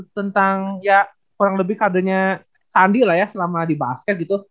tentang ya kurang lebih kadernya sandi lah ya selama di basket gitu